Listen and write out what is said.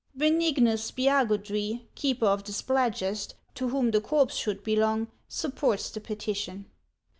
Beniguus Spiagudry, keeper of the Spladgest, to whom the corpse should belong, supports the petition."